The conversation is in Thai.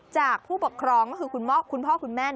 จากผู้ปกครองคือคุณม่อคุณพ่อคุณแม่